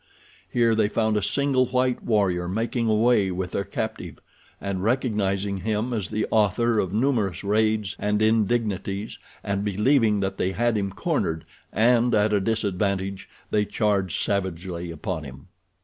Here they found a single white warrior making away with their captive, and recognizing him as the author of numerous raids and indignities and believing that they had him cornered and at a disadvantage, they charged savagely upon him.